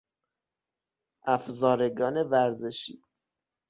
افزارگان ورزشی